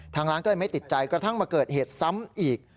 ทางร้านก็เลยไม่ติดใจกระทั่งมาเกิดเหตุซ้ำอีก